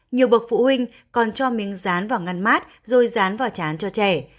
nhiều bậc phụ huynh còn cho miếng rán vào ngăn mát rồi dán vào chán cho trẻ